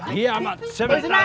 diamat sebentar lagi